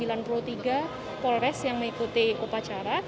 ada enam puluh tiga polres yang mengikuti upacara